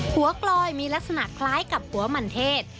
หัวกลอยมีลักษณะคล้ายกับหัวหมั่นเทศ